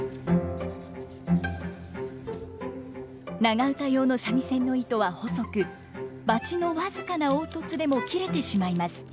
長唄用の三味線の糸は細くバチの僅かな凹凸でも切れてしまいます。